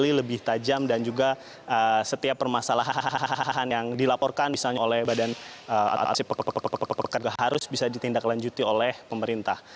lebih jeli lebih tajam dan juga setiap permasalahan yang dilaporkan misalnya oleh badan atau si pekerja harus bisa ditindak lanjuti oleh pemerintah